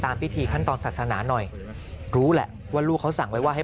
พิธีขั้นตอนศาสนาหน่อยรู้แหละว่าลูกเขาสั่งไว้ว่าให้